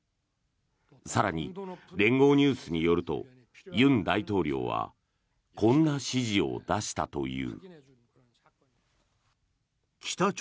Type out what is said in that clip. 更に連合ニュースによると尹大統領はこんな指示を出したという。